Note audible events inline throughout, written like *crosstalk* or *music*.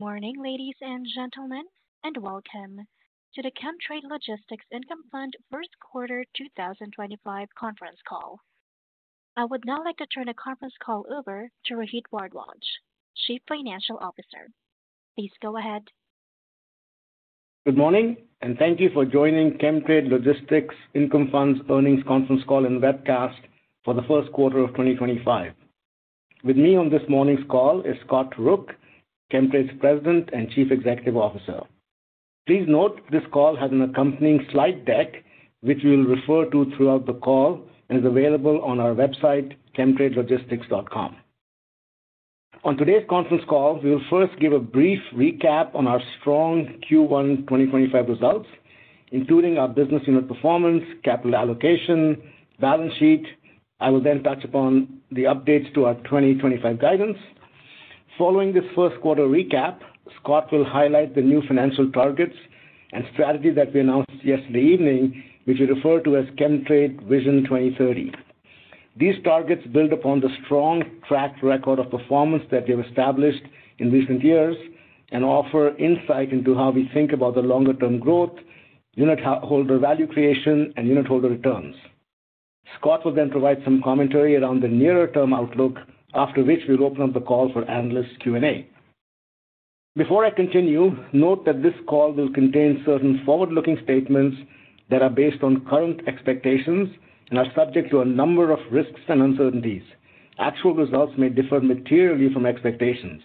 Morning, ladies and gentlemen, and welcome to the Chemtrade Logistics Income Fund First Quarter 2025 Conference Call. I would now like to turn the conference call over to Rohit Bhardwaj, Chief Financial Officer. Please go ahead. Good morning, and thank you for joining Chemtrade Logistics Income Fund's Earnings Conference Call and webcast for the first quarter of 2025. With me on this morning's call is Scott Rook, Chemtrade's President and Chief Executive Officer. Please note this call has an accompanying slide deck, which we will refer to throughout the call and is available on our website, chemtradelogistics.com. On today's conference call, we will first give a brief recap on our strong Q1 2025 results, including our business unit performance, capital allocation, and balance sheet. I will then touch upon the updates to our 2025 guidance. Following this first quarter recap, Scott will highlight the new financial targets and strategy that we announced yesterday evening, which we refer to as Chemtrade Vision 2030. These targets build upon the strong track record of performance that we have established in recent years and offer insight into how we think about the longer-term growth, unit holder value creation, and unit holder returns. Scott will then provide some commentary around the nearer-term outlook, after which we will open up the call for analyst Q&A. Before I continue, note that this call will contain certain forward-looking statements that are based on current expectations and are subject to a number of risks and uncertainties. Actual results may differ materially from expectations.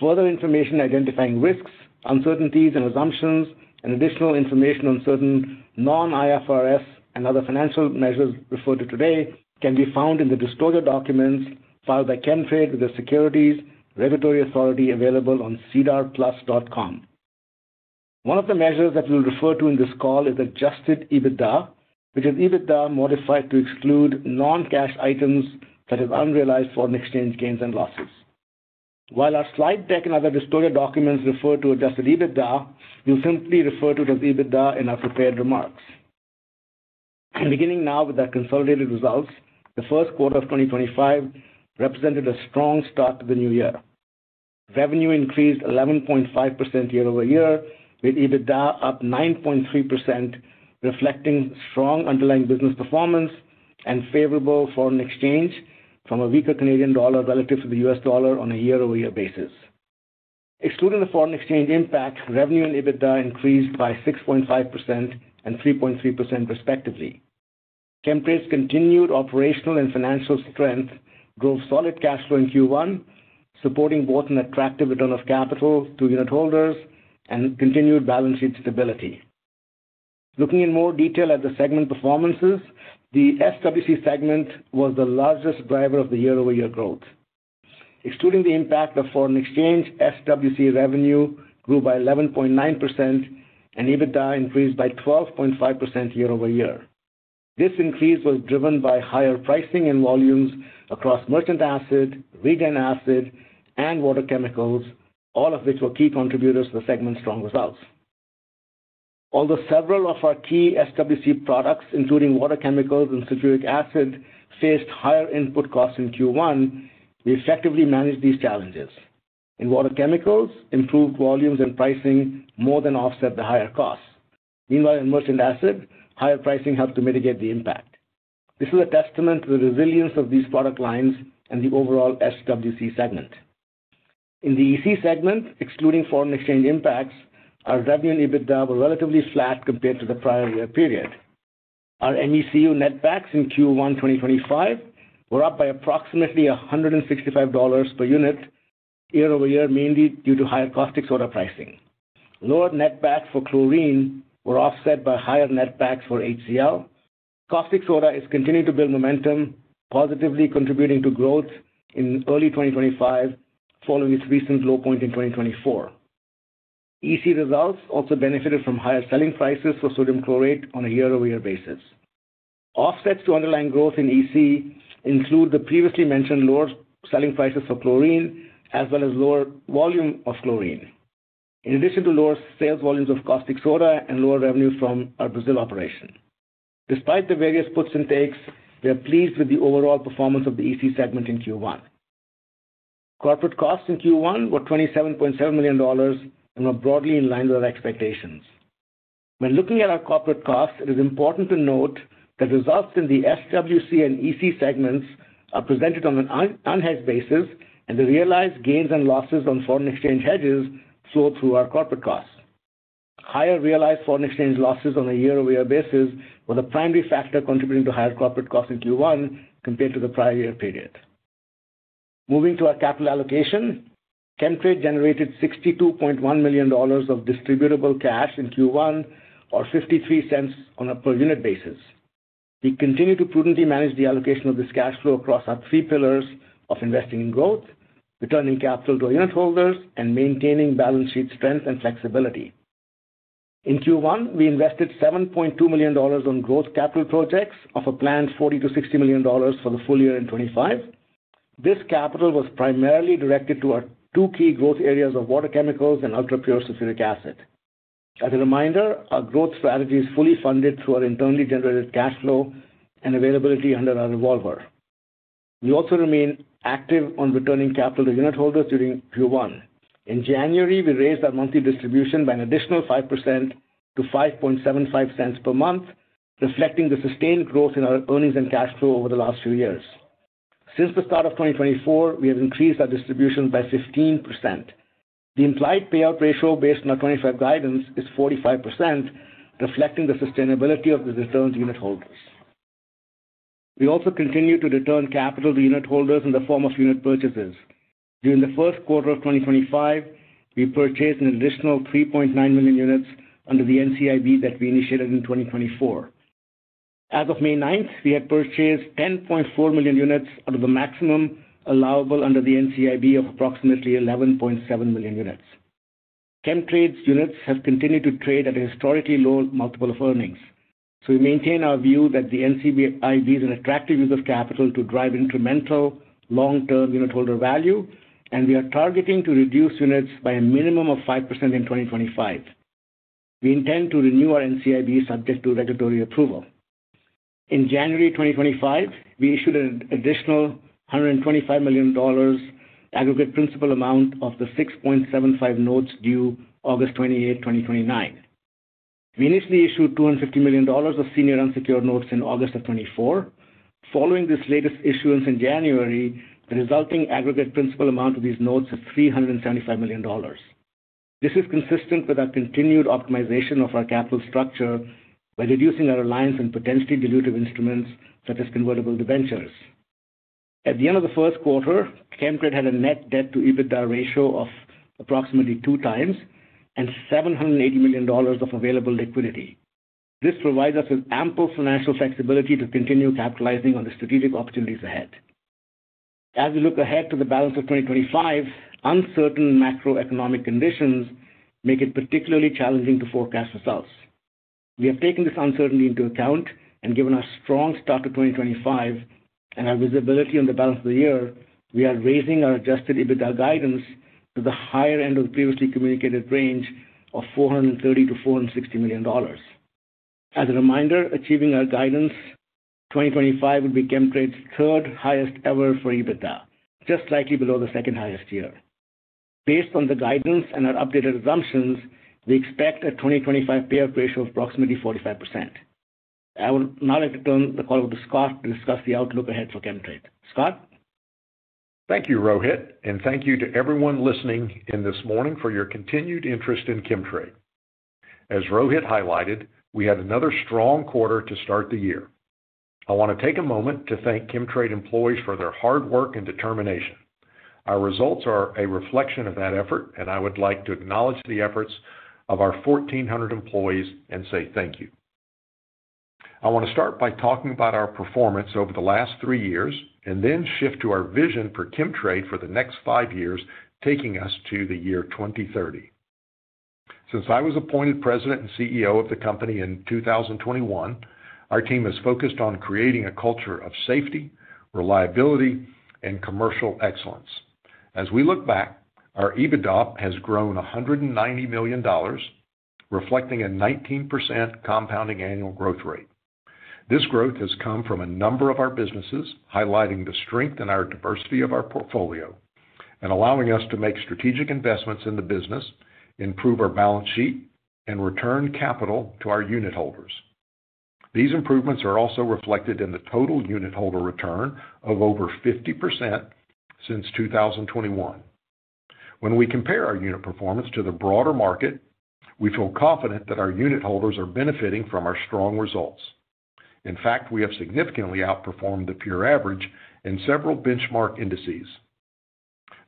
Further information identifying risks, uncertainties, and assumptions, and additional information on certain non-IFRS and other financial measures referred to today can be found in the disclosure documents filed by Chemtrade with the Securities Regulatory Authority available on cdrplus.com. One of the measures that we will refer to in this call is adjusted EBITDA, which is EBITDA modified to exclude non-cash items such as unrealized foreign exchange gains and losses. While our slide deck and other disclosure documents refer to adjusted EBITDA, we'll simply refer to it as EBITDA in our prepared remarks. Beginning now with our consolidated results, the first quarter of 2025 represented a strong start to the new year. Revenue increased 11.5% year-over-year, with EBITDA up 9.3%, reflecting strong underlying business performance and favorable foreign exchange from a weaker Canadian dollar relative to the U.S. dollar on a year-over-year basis. Excluding the foreign exchange impact, revenue and EBITDA increased by 6.5% and 3.3% respectively. Chemtrade's continued operational and financial strength drove solid cash flow in Q1, supporting both an attractive return of capital to unit holders and continued balance sheet stability. Looking in more detail at the segment performances, the SWC segment was the largest driver of the year-over-year growth. Excluding the impact of foreign exchange, SWC revenue grew by 11.9%, and EBITDA increased by 12.5% year-over-year. This increase was driven by higher pricing and volumes across merchant acid, reagent acid, and water chemicals, all of which were key contributors to the segment's strong results. Although several of our key SWC products, including water chemicals and citric acid, faced higher input costs in Q1, we effectively managed these challenges. In water chemicals, improved volumes and pricing more than offset the higher costs. Meanwhile, in merchant acid, higher pricing helped to mitigate the impact. This is a testament to the resilience of these product lines and the overall SWC segment. In the EC segment, excluding foreign exchange impacts, our revenue and EBITDA were relatively flat compared to the prior year period. Our MECU net packs in Q1 2025 were up by approximately 165 dollars per unit year-over-year, mainly due to higher caustic soda pricing. Lower net packs for chlorine were offset by higher net packs for HCL. Caustic soda is continuing to build momentum, positively contributing to growth in early 2025 following its recent low point in 2024. EC results also benefited from higher selling prices for sodium chlorate on a year-over-year basis. Offsets to underlying growth in EC include the previously mentioned lower selling prices for chlorine as well as lower volume of chlorine, in addition to lower sales volumes of caustic soda and lower revenue from our Brazil operation. Despite the various puts and takes, we are pleased with the overall performance of the EC segment in Q1. Corporate costs in Q1 were 27.7 million dollars and were broadly in line with our expectations. When looking at our corporate costs, it is important to note that results in the SWC and EC segments are presented on an unhedged basis, and the realized gains and losses on foreign exchange hedges flow through our corporate costs. Higher realized foreign exchange losses on a year-over-year basis were the primary factor contributing to higher corporate costs in Q1 compared to the prior year period. Moving to our capital allocation, Chemtrade generated 62.1 million dollars of distributable cash in Q1, or 0.53 on a per-unit basis. We continue to prudently manage the allocation of this cash flow across our three pillars of investing in growth, returning capital to our unit holders, and maintaining balance sheet strength and flexibility. In Q1, we invested 7.2 million dollars on growth capital projects of a planned CAD $40- CAD $60 million for the full year in 2025. This capital was primarily directed to our two key growth areas of water chemicals and ultra-pure citric acid. As a reminder, our growth strategy is fully funded through our internally generated cash flow and availability under our revolver. We also remain active on returning capital to unit holders during Q1. In January, we raised our monthly distribution by an additional 5% to 5.75 per month, reflecting the sustained growth in our earnings and cash flow over the last few years. Since the start of 2024, we have increased our distribution by 15%. The implied payout ratio based on our 2025 guidance is 45%, reflecting the sustainability of the returned unit holders. We also continue to return capital to unit holders in the form of unit purchases. During the first quarter of 2025, we purchased an additional 3.9 million units under the NCIB that we initiated in 2024. As of May 9, we had purchased 10.4 million units out of the maximum allowable under the NCIB of approximately 11.7 million units. Chemtrade's units have continued to trade at a historically low multiple of earnings, so we maintain our view that the NCIB is an attractive use of capital to drive incremental long-term unit holder value, and we are targeting to reduce units by a minimum of 5% in 2025. We intend to renew our NCIB subject to regulatory approval. In January 2025, we issued an additional 125 million dollars aggregate principal amount of the 6.75 notes due August 28, 2029. We initially issued 250 million dollars of senior unsecured notes in August of 2024. Following this latest issuance in January, the resulting aggregate principal amount of these notes is 375 million dollars. This is consistent with our continued optimization of our capital structure by reducing our reliance on potentially dilutive instruments such as convertible debentures. At the end of the first quarter, Chemtrade had a net debt-to-EBITDA ratio of approximately 2x and 780 million dollars of available liquidity. This provides us with ample financial flexibility to continue capitalizing on the strategic opportunities ahead. As we look ahead to the balance of 2025, uncertain macroeconomic conditions make it particularly challenging to forecast results. We have taken this uncertainty into account and given our strong start to 2025 and our visibility on the balance of the year, we are raising our adjusted EBITDA guidance to the higher end of the previously communicated range of 430- 460 million dollars. As a reminder, achieving our guidance, 2025 will be Chemtrade's third highest ever for EBITDA, just slightly below the second highest year. Based on the guidance and our updated assumptions, we expect a 2025 payout ratio of approximately 45%. I would now like to turn the call over to Scott to discuss the outlook ahead for Chemtrade. Scott? Thank you, Rohit, and thank you to everyone listening in this morning for your continued interest in Chemtrade. As Rohit highlighted, we had another strong quarter to start the year. I want to take a moment to thank Chemtrade employees for their hard work and determination. Our results are a reflection of that effort, and I would like to acknowledge the efforts of our 1,400 employees and say thank you. I want to start by talking about our performance over the last three years and then shift to our vision for Chemtrade for the next five years, taking us to the year 2030. Since I was appointed President and CEO of the company in 2021, our team has focused on creating a culture of safety, reliability, and commercial excellence. As we look back, our EBITDA has grown 190 million dollars, reflecting a 19% compounding annual growth rate. This growth has come from a number of our businesses, highlighting the strength and our diversity of our portfolio and allowing us to make strategic investments in the business, improve our balance sheet, and return capital to our unit holders. These improvements are also reflected in the total unit holder return of over 50% since 2021. When we compare our unit performance to the broader market, we feel confident that our unit holders are benefiting from our strong results. In fact, we have significantly outperformed the peer average in several benchmark indices.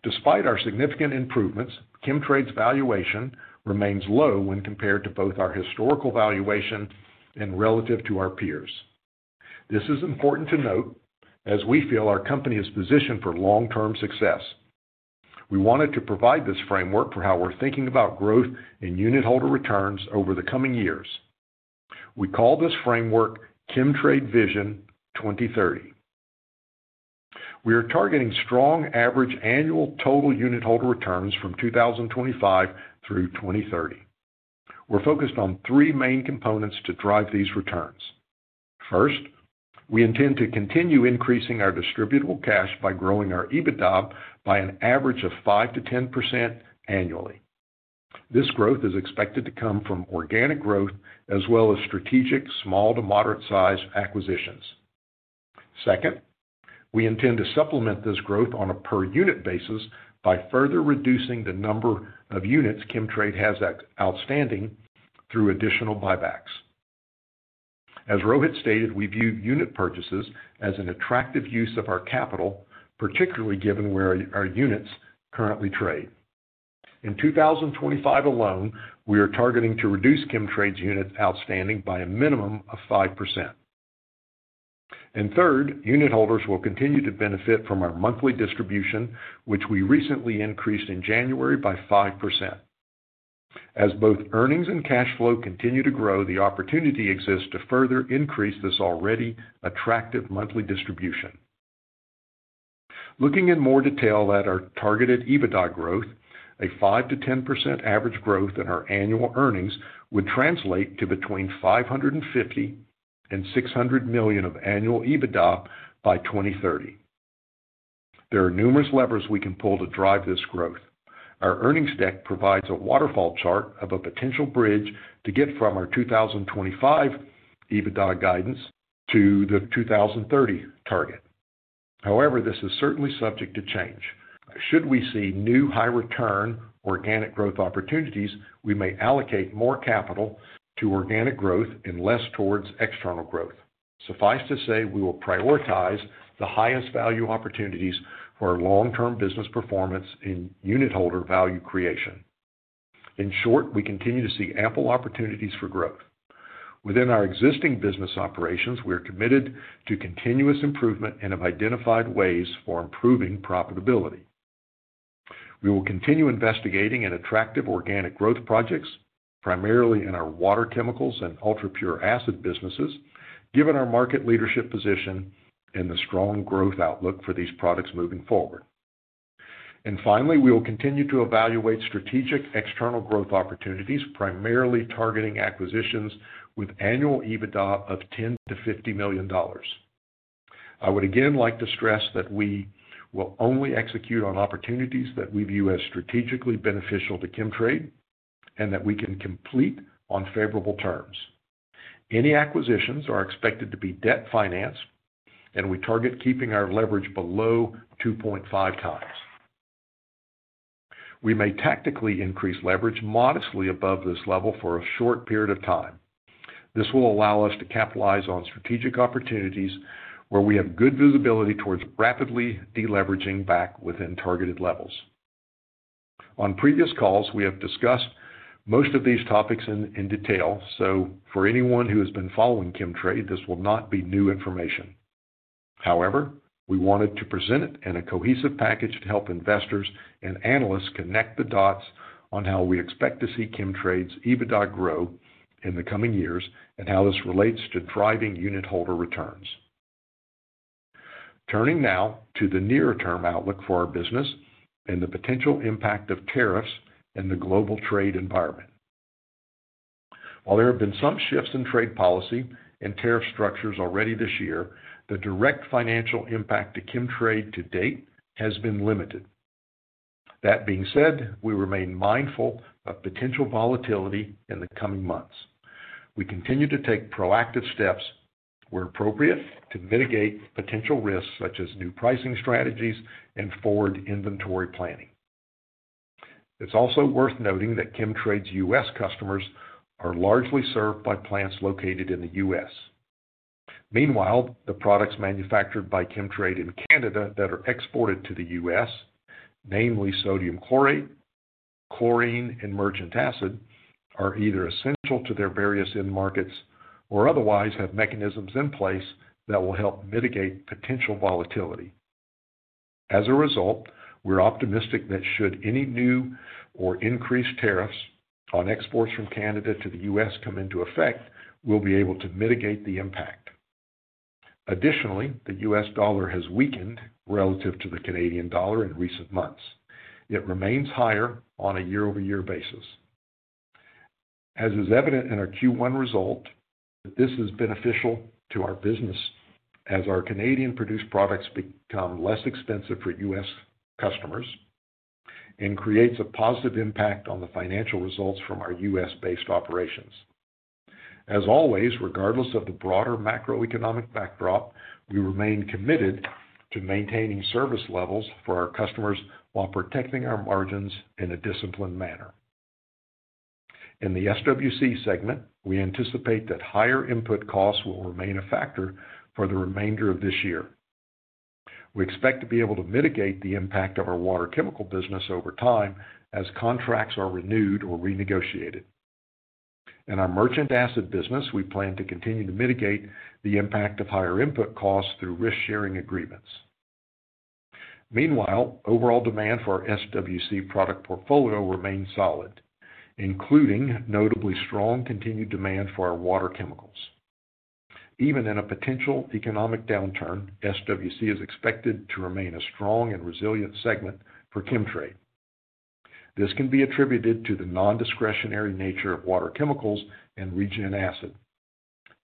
Despite our significant improvements, Chemtrade's valuation remains low when compared to both our historical valuation and relative to our peers. This is important to note as we feel our company is positioned for long-term success. We wanted to provide this framework for how we're thinking about growth in unit holder returns over the coming years. We call this framework Chemtrade Vision 2030. We are targeting strong average annual total unit holder returns from 2025 through 2030. We're focused on three main components to drive these returns. First, we intend to continue increasing our distributable cash by growing our EBITDA by an average of 5%-10% annually. This growth is expected to come from organic growth as well as strategic small to moderate-sized acquisitions. Second, we intend to supplement this growth on a per-unit basis by further reducing the number of units Chemtrade has outstanding through additional buybacks. As Rohit stated, we view unit purchases as an attractive use of our capital, particularly given where our units currently trade. In 2025 alone, we are targeting to reduce Chemtrade's units outstanding by a minimum of 5%. Third, unit holders will continue to benefit from our monthly distribution, which we recently increased in January by 5%. As both earnings and cash flow continue to grow, the opportunity exists to further increase this already attractive monthly distribution. Looking in more detail at our targeted EBITDA growth, a 5%-10% average growth in our annual earnings would translate to between 550 million and 600 million of annual EBITDA by 2030. There are numerous levers we can pull to drive this growth. Our earnings deck provides a waterfall chart of a potential bridge to get from our 2025 EBITDA guidance to the 2030 target. However, this is certainly subject to change. Should we see new high-return organic growth opportunities, we may allocate more capital to organic growth and less towards external growth. Suffice to say, we will prioritize the highest value opportunities for our long-term business performance in unit holder value creation. In short, we continue to see ample opportunities for growth. Within our existing business operations, we are committed to continuous improvement and have identified ways for improving profitability. We will continue investigating attractive organic growth projects, primarily in our water chemicals and ultra-pure acid businesses, given our market leadership position and the strong growth outlook for these products moving forward. Finally, we will continue to evaluate strategic external growth opportunities, primarily targeting acquisitions with annual EBITDA of 10 million dollars-CAD50 million. I would again like to stress that we will only execute on opportunities that we view as strategically beneficial to Chemtrade and that we can complete on favorable terms. Any acquisitions are expected to be debt financed, and we target keeping our leverage below 2.5x. We may tactically increase leverage modestly above this level for a short period of time. This will allow us to capitalize on strategic opportunities where we have good visibility towards rapidly deleveraging back within targeted levels. On previous calls, we have discussed most of these topics in detail, so for anyone who has been following Chemtrade, this will not be new information. However, we wanted to present it in a cohesive package to help investors and analysts connect the dots on how we expect to see Chemtrade's EBITDA grow in the coming years and how this relates to driving unitholder returns. Turning now to the near-term outlook for our business and the potential impact of tariffs in the global trade environment. While there have been some shifts in trade policy and tariff structures already this year, the direct financial impact to Chemtrade to date has been limited. That being said, we remain mindful of potential volatility in the coming months. We continue to take proactive steps where appropriate to mitigate potential risks such as new pricing strategies and forward inventory planning. It's also worth noting that Chemtrade's U.S. customers are largely served by plants located in the U.S.. Meanwhile, the products manufactured by Chemtrade in Canada that are exported to the U.S., namely sodium chlorate, chlorine, and merchant acid, are either essential to their various end markets or otherwise have mechanisms in place that will help mitigate potential volatility. As a result, we're optimistic that should any new or increased tariffs on exports from Canada to the U.S. come into effect, we'll be able to mitigate the impact. Additionally, the U.S. dollar has weakened relative to the Canadian dollar in recent months. It remains higher on a year-over-year basis. As is evident in our Q1 result, this is beneficial to our business as our Canadian-produced products become less expensive for U.S. customers and creates a positive impact on the financial results from our U.S.-based operations. As always, regardless of the broader macroeconomic backdrop, we remain committed to maintaining service levels for our customers while protecting our margins in a disciplined manner. In the SWC segment, we anticipate that higher input costs will remain a factor for the remainder of this year. We expect to be able to mitigate the impact on our water chemical business over time as contracts are renewed or renegotiated. In our merchant acid business, we plan to continue to mitigate the impact of higher input costs through risk-sharing agreements. Meanwhile, overall demand for our SWC product portfolio remains solid, including notably strong continued demand for our water chemicals. Even in a potential economic downturn, SWC is expected to remain a strong and resilient segment for Chemtrade. This can be attributed to the non-discretionary nature of water chemicals and reagent acid.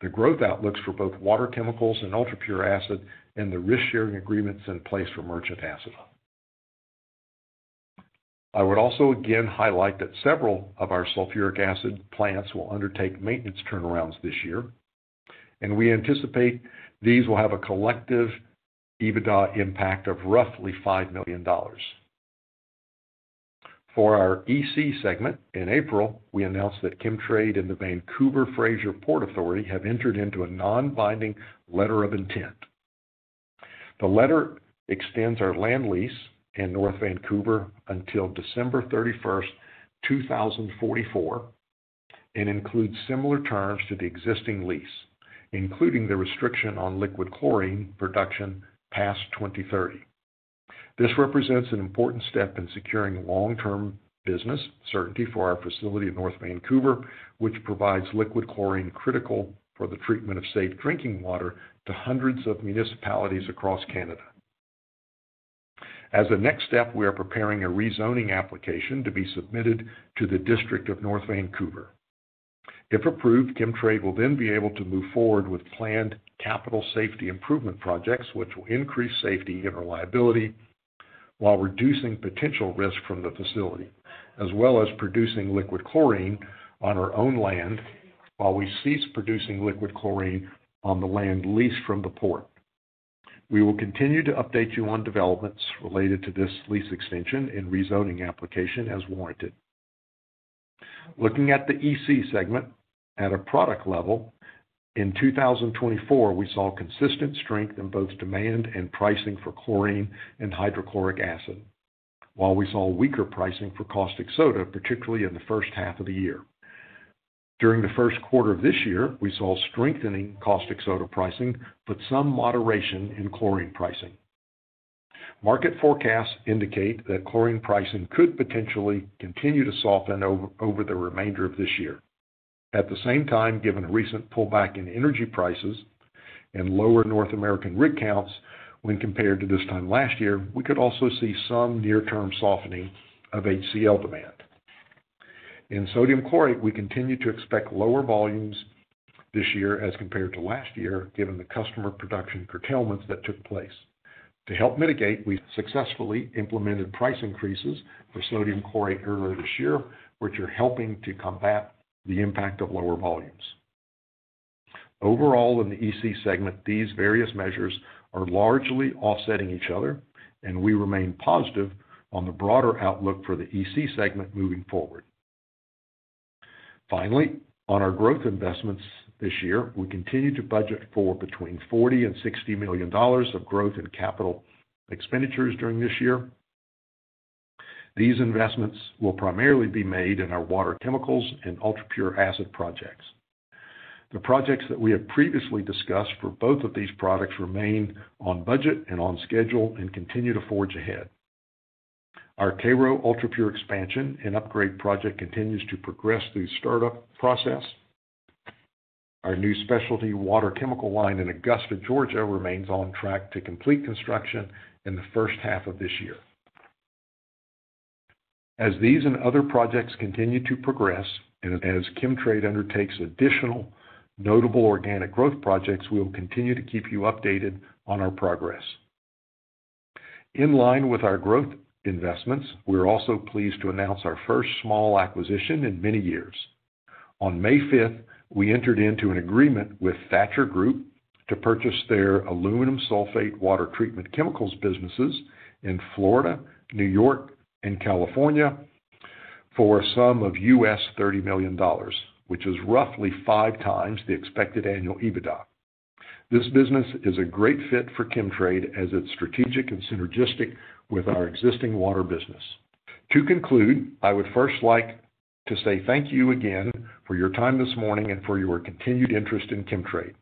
The growth outlooks for both water chemicals and ultra-pure acid and the risk-sharing agreements in place for merchant acid. I would also again highlight that several of our sulfuric acid plants will undertake maintenance turnarounds this year, and we anticipate these will have a collective EBITDA impact of roughly 5 million dollars. For our EC segment, in April, we announced that Chemtrade and the Vancouver Fraser Port Authority have entered into a non-binding letter of intent. The letter extends our land lease in North Vancouver until December 31, 2044, and includes similar terms to the existing lease, including the restriction on liquid chlorine production past 2030. This represents an important step in securing long-term business certainty for our facility in North Vancouver, which provides liquid chlorine critical for the treatment of safe drinking water to hundreds of municipalities across Canada. As a next step, we are preparing a rezoning application to be submitted to the District of North Vancouver. If approved, Chemtrade will then be able to move forward with planned capital safety improvement projects, which will increase safety and reliability while reducing potential risk from the facility, as well as producing liquid chlorine on our own land while we cease producing liquid chlorine on the land leased from the port. We will continue to update you on developments related to this lease extension and rezoning application as warranted. Looking at the EC segment at a product level, in 2024, we saw consistent strength in both demand and pricing for chlorine and hydrochloric acid, while we saw weaker pricing for caustic soda, particularly in the first half of the year. During the first quarter of this year, we saw strengthening caustic soda pricing but some moderation in chlorine pricing. Market forecasts indicate that chlorine pricing could potentially continue to soften over the remainder of this year. At the same time, given a recent pullback in energy prices and lower North American rig counts when compared to this time last year, we could also see some near-term softening of HCL demand. In sodium chlorate, we continue to expect lower volumes this year as compared to last year, given the customer production curtailments that took place. To help mitigate, we successfully implemented price increases for sodium chlorate earlier this year, which are helping to combat the impact of lower volumes. Overall, in the EC segment, these various measures are largely offsetting each other, and we remain +ve on the broader outlook for the EC segment moving forward. Finally, on our growth investments this year, we continue to budget for between 40 million and 60 million dollars of growth in capital expenditures during this year. These investments will primarily be made in our water chemicals and ultra-pure acid projects. The projects that we have previously discussed for both of these products remain on budget and on schedule and continue to forge ahead. Our K-Roh ultra-pure expansion and upgrade project continues to progress through the startup process. Our new specialty water chemical line in Augusta, Georgia, remains on track to complete construction in the first half of this year. As these and other projects continue to progress and as Chemtrade undertakes additional notable organic growth projects, we will continue to keep you updated on our progress. In line with our growth investments, we're also pleased to announce our first small acquisition in many years. On May 5th, we entered into an agreement with Thatcher Group to purchase their aluminum sulfate water treatment chemicals businesses in Florida, New York, and California for a sum of U.S. $30 million, which is roughly 5x the expected annual EBITDA. This business is a great fit for Chemtrade as it's strategic and synergistic with our existing water business. To conclude, I would first like to say thank you again for your time this morning and for your continued interest in Chemtrade.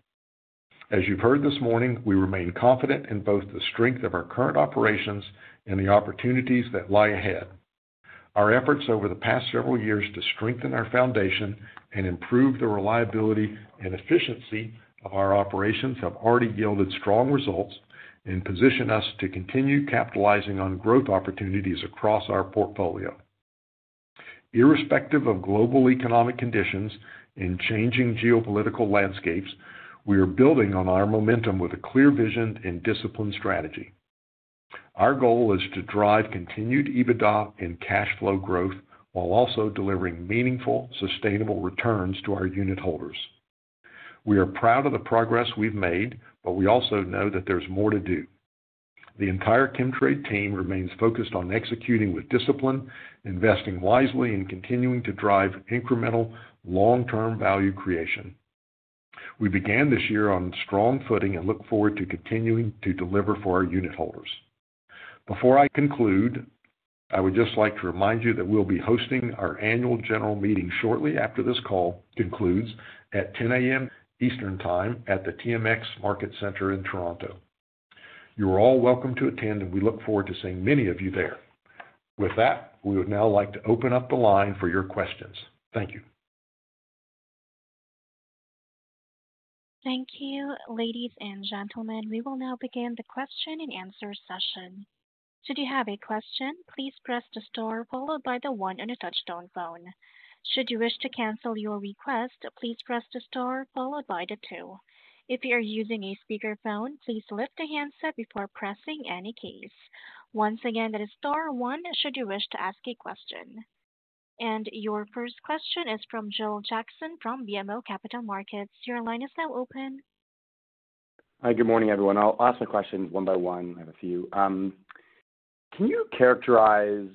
As you've heard this morning, we remain confident in both the strength of our current operations and the opportunities that lie ahead. Our efforts over the past several years to strengthen our foundation and improve the reliability and efficiency of our operations have already yielded strong results and position us to continue capitalizing on growth opportunities across our portfolio. Irrespective of global economic conditions and changing geopolitical landscapes, we are building on our momentum with a clear vision and disciplined strategy. Our goal is to drive continued EBITDA and cash flow growth while also delivering meaningful, sustainable returns to our unit holders. We are proud of the progress we've made, but we also know that there's more to do. The entire Chemtrade team remains focused on executing with discipline, investing wisely, and continuing to drive incremental long-term value creation. We began this year on strong footing and look forward to continuing to deliver for our unit holders. Before I conclude, I would just like to remind you that we'll be hosting our annual general meeting shortly after this call concludes at 10:00 A.M. Eastern Time at the TMX Market Center in Toronto. You are all welcome to attend, and we look forward to seeing many of you there. With that, we would now like to open up the line for your questions. Thank you. Thank you, ladies and gentlemen. We will now begin the question and answer session. Should you have a question, please press the star followed by the one on your touchstone phone. Should you wish to cancel your request, please press the star followed by the two. If you are using a speakerphone, please lift the handset before pressing any keys. Once again, that is star one should you wish to ask a question. Your first question is from Joel Jackson from BMO Capital Markets. Your line is now open. Hi, good morning, everyone. I'll ask my questions one by one. I have a few. Can you characterize,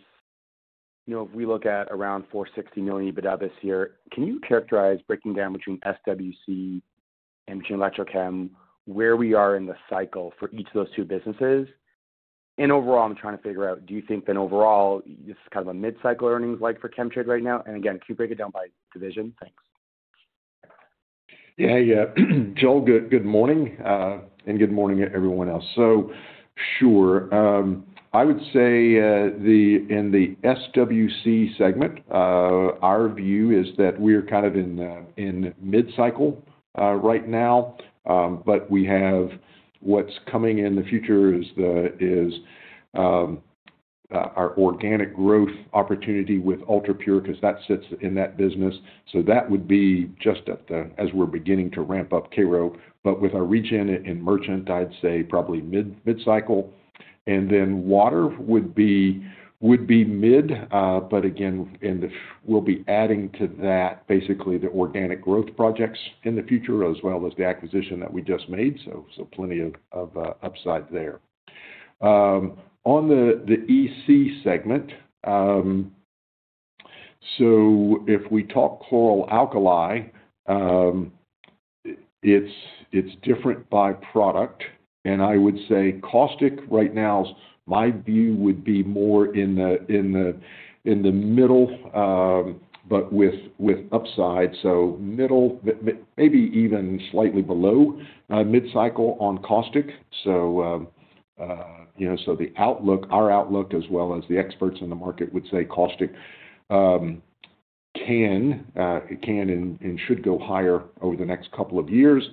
if we look at around 460 million EBITDA this year, can you characterize breaking down between SWC and between ElectroChem where we are in the cycle for each of those two businesses? Overall, I'm trying to figure out, do you think then overall, this is kind of a mid-cycle earnings like for Chemtrade right now? Again, can you break it down by division? Thanks. Yeah, yeah. Joel, good morning, and good morning to everyone else. Sure. I would say in the SWC segment, our view is that we're kind of in mid-cycle right now, but we have what's coming in the future is our organic growth opportunity with ultra-pure because that sits in that business. That would be just as we're beginning to ramp up K-Roh, but with our reagent and merchant, I'd say probably mid-cycle. Water would be mid, but again, we'll be adding to that basically the organic growth projects in the future as well as the acquisition that we just made. Plenty of upside there. On the EC segment, if we talk chlor-alkali, it's different by product, and I would say caustic right now, my view would be more in the middle, but with upside. Middle, maybe even slightly below mid-cycle on caustic. The outlook, our outlook, as well as the experts in the market would say caustic can and should go higher over the next couple of years.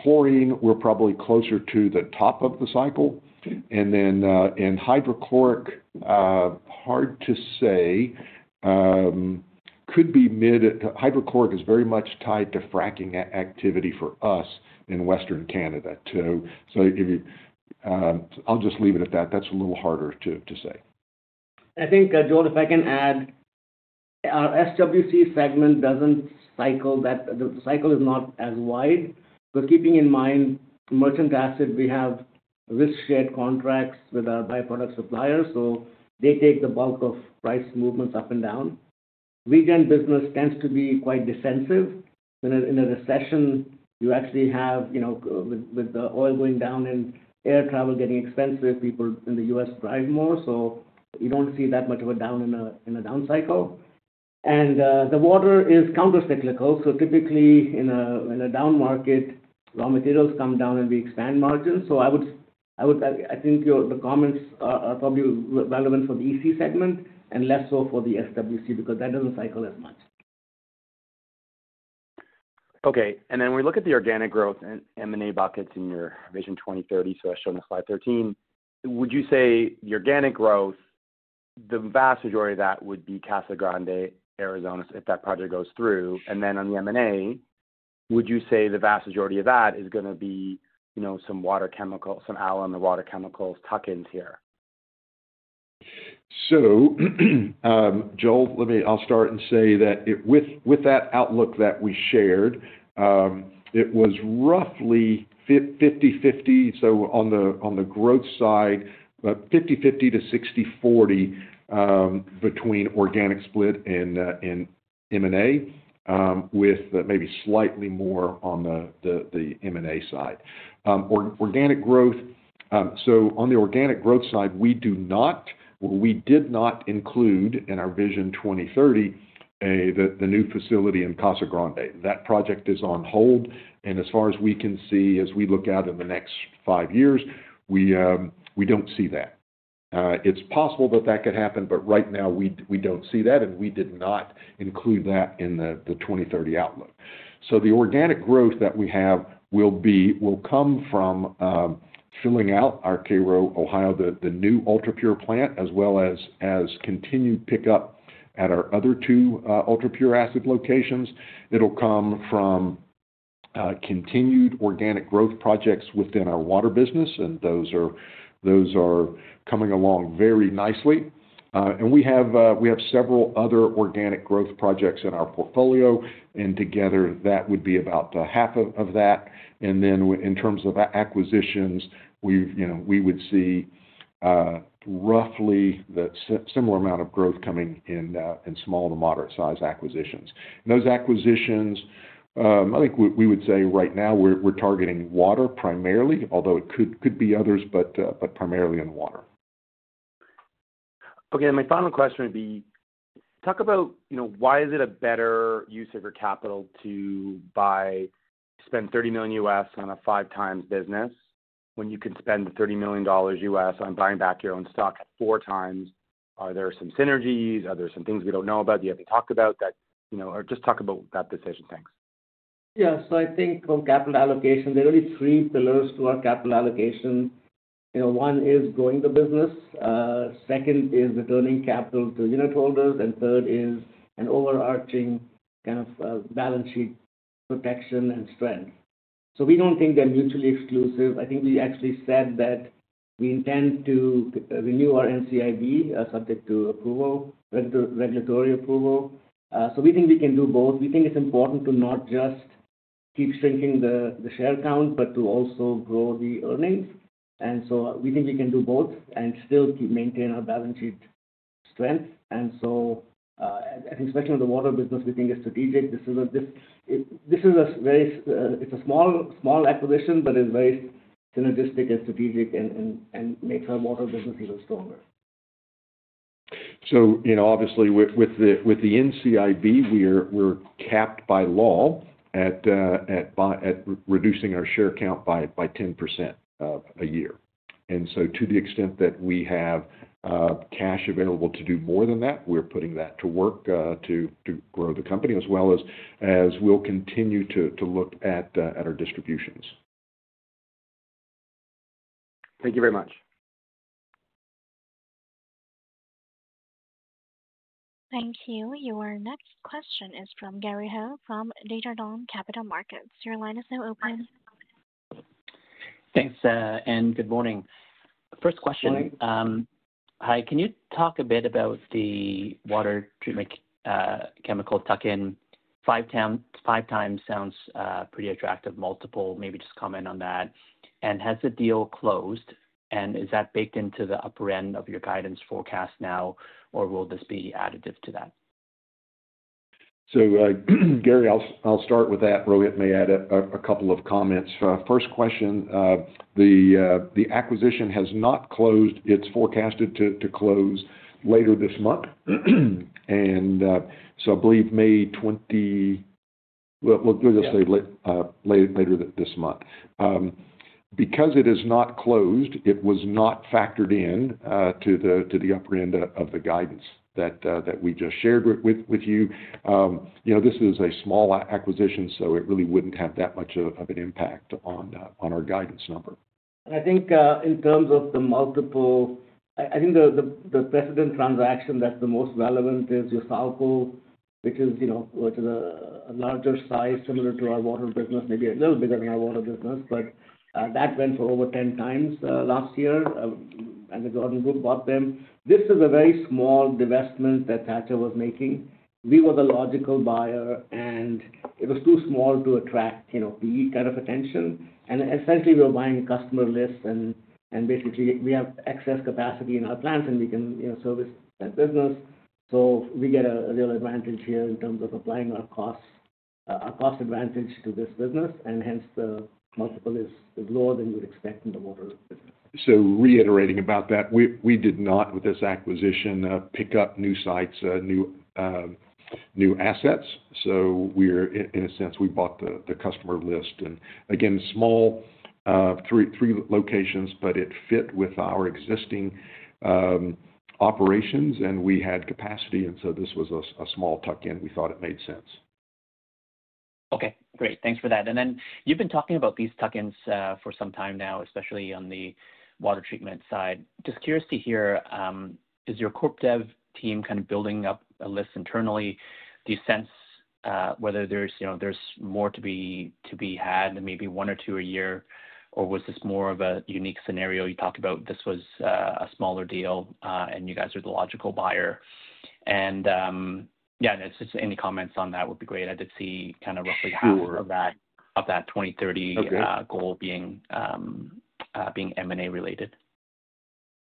Chlorine, we're probably closer to the top of the cycle. In hydrochloric, hard to say. Hydrochloric is very much tied to fracking activity for us in Western Canada. I'll just leave it at that. That's a little harder to say. I think, Joel, if I can add, our SWC segment does not cycle. The cycle is not as wide. Keeping in mind, merchant acid, we have risk-shared contracts with our byproduct suppliers, so they take the bulk of price movements up and down. Region business tends to be quite defensive. In a recession, you actually have with the oil going down and air travel getting expensive, people in the U.S. drive more. You do not see that much of a down in a down cycle. The water is countercyclical. Typically, in a down market, raw materials come down and we expand margins. I think the comments are probably relevant for the EC segment and less so for the SWC because that does not cycle as much. Okay. When we look at the organic growth and M&A buckets in your vision 2030, as shown in slide 13, would you say the organic growth, the vast majority of that would be Casa Grande, Arizona, if that project goes through? On the M&A, would you say the vast majority of that is going to be some water chemicals, some alloy and water chemicals tuck-ins here? Joel, I will start and say that with that outlook that we shared, it was roughly 50/50. On the growth side, 50/50 to 60/40 between organic split and M&A, with maybe slightly more on the M&A side. Organic growth, on the organic growth side, we did not include in our vision 2030 the new facility in Casa Grande. That project is on hold. As far as we can see, as we look out in the next five years, we do not see that. It is possible that that could happen, but right now, we do not see that, and we did not include that in the 2030 outlook. The organic growth that we have will come from filling out our K-Roh, Ohio, the new ultra-pure plant, as well as continued pickup at our other two ultra-pure acid locations. It will come from continued organic growth projects within our water business, and those are coming along very nicely. We have several other organic growth projects in our portfolio, and together, that would be about half of that. In terms of acquisitions, we would see roughly the similar amount of growth coming in small to moderate-sized acquisitions. Those acquisitions, I think we would say right now, we are targeting water primarily, although it could be others, but primarily in water. Okay. My final question would be, talk about why is it a better use of your capital to spend $30 million U.S. on a 5x business when you can spend the $30 million U.S. on buying back your own stock 4x? Are there some synergies? Are there some things we do not know about that you have to talk about? Just talk about that decision, thanks. I think on capital allocation, there are only three pillars to our capital allocation. One is growing the business. Second is returning capital to unit holders. Third is an overarching kind of balance sheet protection and strength. We do not think they are mutually exclusive. I think we actually said that we intend to renew our NCIB, subject to regulatory approval. We think we can do both. We think it is important to not just keep shrinking the share count, but to also grow the earnings. We think we can do both and still maintain our balance sheet strength. I think, especially in the water business, we think it is strategic. This is a very small acquisition, but it is very synergistic and strategic and makes our water business even stronger. Obviously, with the NCIB, we are capped by law at reducing our share count by 10% a year. To the extent that we have cash available to do more than that, we're putting that to work to grow the company as well as we'll continue to look at our distributions. Thank you very much. Thank you. Your next question is from Gary Ho from Desjardins Capital Markets. Your line is now open. Thanks. And good morning. First question. Hi. Can you talk a bit about the water treatment chemical tuck-in? 5x sounds pretty attractive. Multiple. Maybe just comment on that. And has the deal closed? And is that baked into the upper end of your guidance forecast now, or will this be additive to that? Gary, I'll start with that. Rohit may add a couple of comments. First question. The acquisition has not closed. It's forecasted to close later this month. I believe May 20, let's say later this month. Because it is not closed, it was not factored into the upper end of the guidance that we just shared with you. This is a small acquisition, so it really would not have that much of an impact on our guidance number. I think in terms of the multiple, I think the precedent transaction that is the most relevant is Evoqua, which is a larger size, similar to our water business, maybe a little bigger than our water business, but that went for over 10x last year as the Thatcher Group bought them. This is a very small divestment that Thatcher was making. We were the logical buyer, and it was too small to attract PE kind of attention. Essentially, we were buying customer lists, and basically, we have excess capacity in our plants, and we can service that business. We get a real advantage here in terms of applying our cost advantage to this business, and hence, the multiple is lower than you would expect in the water business. Reiterating about that, we did not, with this acquisition, pick up new sites, new assets. In a sense, we bought the customer list. Again, small, three locations, but it fit with our existing operations, and we had capacity. This was a small tuck-in. We thought it made sense. Okay. Great. Thanks for that. You have been talking about these tuck-ins for some time now, especially on the water treatment side. Just curious to hear, is your corp dev team kind of building up a list internally? Do you sense whether there is more to be had, maybe one or two a year, or was this more of a unique scenario? You talked about this was a smaller deal, and you guys are the logical buyer. Yeah, just any comments on that would be great. I did see kind *crosstalk* of roughly half of that 2030 goal being M&A related.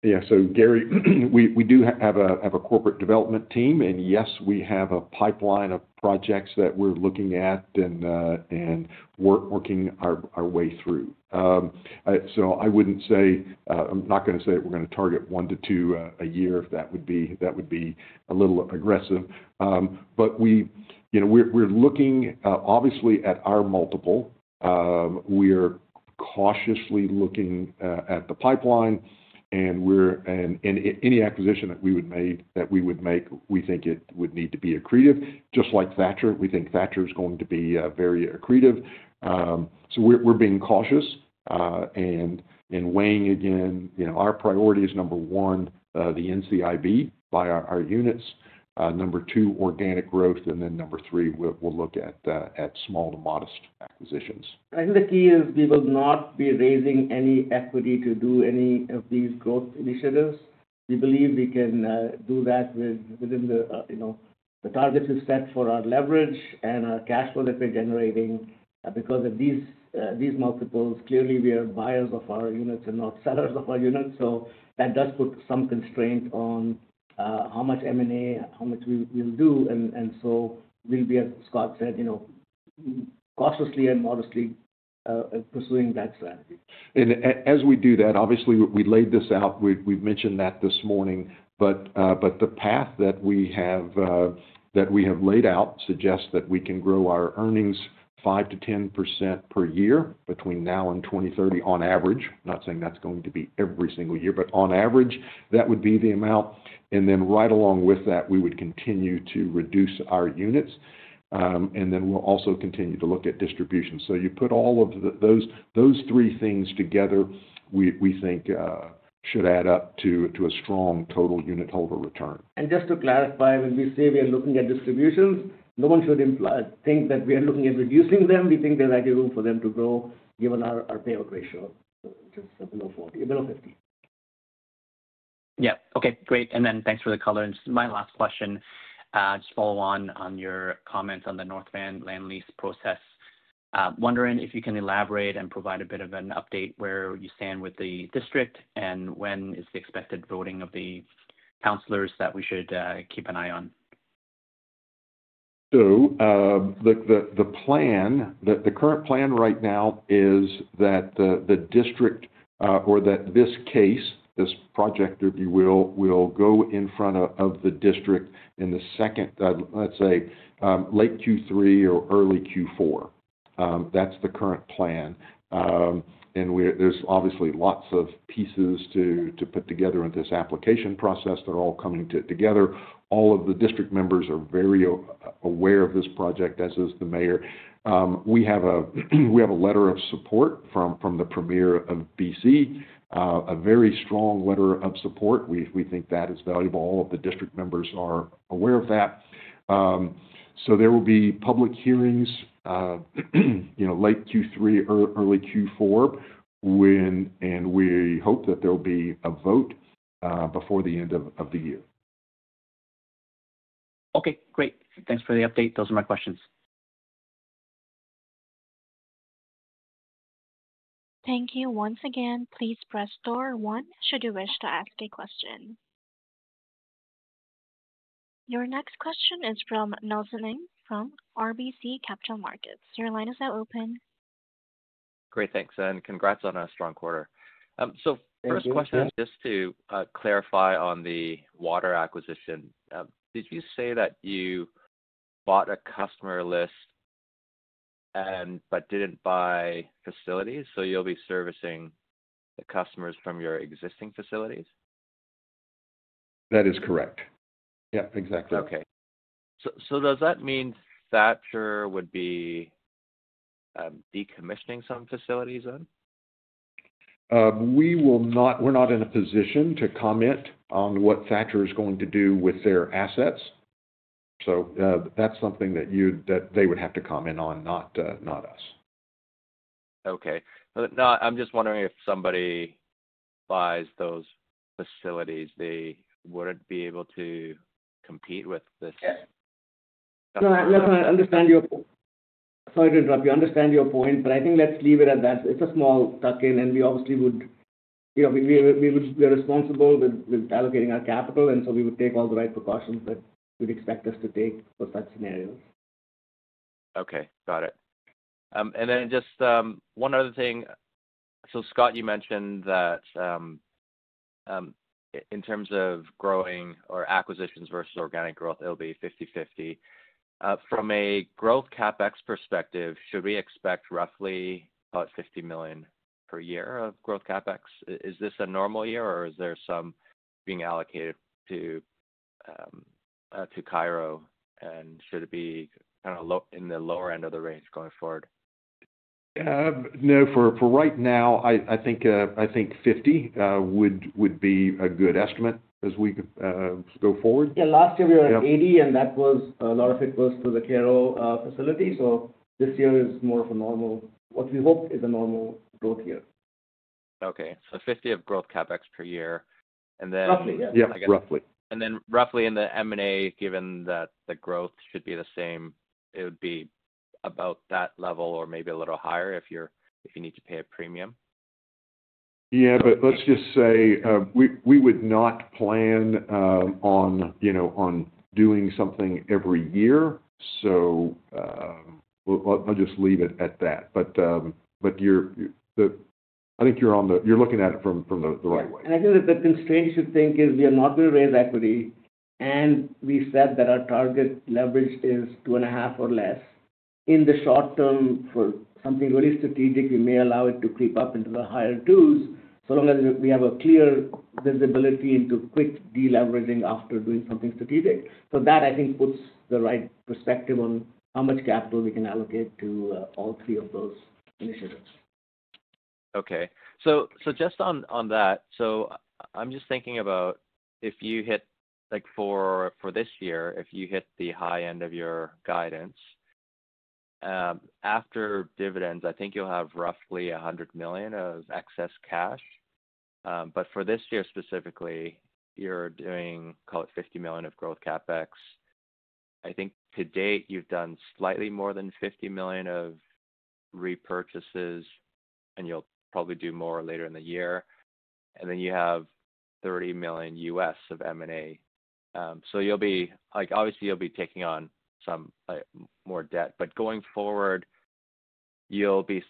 Yeah. Gary, we do have a corporate development team, and yes, we have a pipeline of projects that we're looking at and working our way through. I wouldn't say I'm not going to say we're going to target one to two a year if that would be a little aggressive. We're looking, obviously, at our multiple. We are cautiously looking at the pipeline, and any acquisition that we would make, we think it would need to be accretive. Just like Thatcher, we think Thatcher is going to be very accretive. We're being cautious and weighing again. Our priority is number one, the NCIB by our units. Number two, organic growth. Number three, we'll look at small to modest acquisitions. I think the key is we will not be raising any equity to do any of these growth initiatives. We believe we can do that within the targets we've set for our leverage and our cash flow that we're generating. Because of these multiples, clearly, we are buyers of our units and not sellers of our units. That does put some constraint on how much M&A, how much we will do. We will be, as Scott said, cautiously and modestly pursuing that strategy. As we do that, obviously, we laid this out. We've mentioned that this morning. The path that we have laid out suggests that we can grow our earnings 5%-10% per year between now and 2030 on average. Not saying that's going to be every single year, but on average, that would be the amount. Right along with that, we would continue to reduce our units. We will also continue to look at distributions. You put all of those three things together, we think should add up to a strong total unitholder return. Just to clarify, when we say we are looking at distributions, no one should think that we are looking at reducing them. We think there's actually room for them to grow given our payout ratio, which is below 40%, below 50%. Yeah. Okay. Great. Thanks for the coloring. Just my last question. Just follow on your comments on the North Vancouver land lease process. Wondering if you can elaborate and provide a bit of an update where you stand with the district and when is the expected voting of the counselors that we should keep an eye on. The current plan right now is that the district or that this case, this project, if you will, will go in front of the district in the second, let's say, late Q3 or early Q4. That's the current plan. There are obviously lots of pieces to put together in this application process that are all coming together. All of the district members are very aware of this project, as is the mayor. We have a letter of support from the premier of BC, a very strong letter of support. We think that is valuable. All of the district members are aware of that. There will be public hearings late Q3 or early Q4, and we hope that there will be a vote before the end of the year. Okay. Great. Thanks for the update. Those are my questions. Thank you. Once again, please press star one should you wish to ask a question. Your next question is from Nelson Ng from RBC Capital Markets. Your line is now open. Great. Thanks. And congrats on a strong quarter. First question. Just to clarify on the water acquisition, did you say that you bought a customer list but did not buy facilities? You will be servicing the customers from your existing facilities? That is correct. Yep. Exactly. Okay. Does that mean Thatcher would be decommissioning some facilities then? We are not in a position to comment on what Thatcher is going to do with their assets. That is something that they would have to comment on, not us. Okay. I am just wondering if somebody buys those facilities, would it be able to compete with this? *audio distortion* Yes. No, I understand your point. Sorry to interrupt you. I understand your point, but I think let's leave it at that. It is a small tuck-in, and we obviously would be responsible with allocating our capital, and so we would take all the right precautions that you would expect us to take for such scenarios. Okay. Got it. And then just one other thing. Scott, you mentioned that in terms of growing or acquisitions vs organic growth, it will be 50/50. From a growth CapEx perspective, should we expect roughly about 50 million per year of growth CapEx? Is this a normal year, or is there some being allocated to Cairo, and should it be kind of in the lower end of the range going forward? Yeah. No, for right now, I think 50 would be a good estimate as we go forward. Yeah. Last year, we were at 80, and a lot of it was for the Cairo facility. This year is more of a normal, what we hope is a normal growth year. Okay. So 50 of growth CapEx per year. And then roughly. *crosstalk* Yeah. Roughly. And then roughly in the M&A, given that the growth should be the same, it would be about that level or maybe a little higher if you need to pay a premium? Yeah. Let's just say we would not plan on doing something every year. I'll just leave it at that. I think you're looking at it from the right way. I think that the constraint you think is we are not going to raise equity, and we said that our target leverage is 2.5 or less. In the short term, for something really strategic, we may allow it to creep up into the higher twos so long as we have clear visibility into quick deleveraging after doing something strategic. That, I think, puts the right perspective on how much capital we can allocate to all three of those initiatives. Okay. Just on that, I'm just thinking about if you hit for this year, if you hit the high end of your guidance, after dividends, I think you'll have roughly 100 million of excess cash. For this year specifically, you're doing, call it 50 million of growth CapEx. I think to date, you've done slightly more than 50 million of repurchases, and you'll probably do more later in the year. And then you have $30 million U.S. of M&A. So obviously, you'll be taking on some more debt. But going forward, I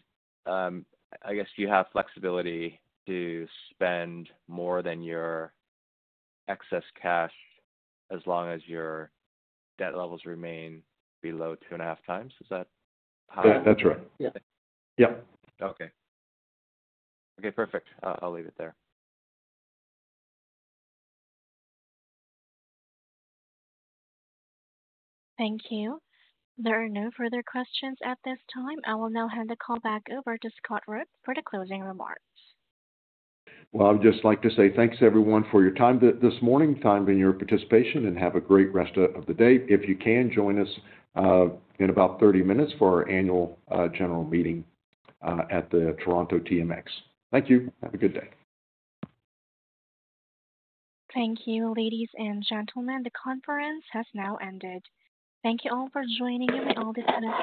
guess you have flexibility to spend more than your excess cash as long as your debt levels remain below 2.5x. Is that how? That's right. Yeah. Yep. Okay. Okay. Perfect. I'll leave it there. Thank you. There are no further questions at this time. I will now hand the call back over to Scott Rook for the closing remarks. I would just like to say thanks, everyone, for your time this morning, time and your participation, and have a great rest of the day. If you can, join us in about 30 minutes for our annual general meeting at the Toronto TMX. Thank you. Have a good day. Thank you, ladies and gentlemen. The conference has now ended. Thank you all for joining in all this time.